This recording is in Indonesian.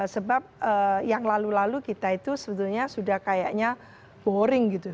sebab yang lalu lalu kita itu sebetulnya sudah kayaknya boring gitu